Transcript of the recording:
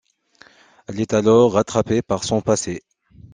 Elle est alors rattrapée par son passé.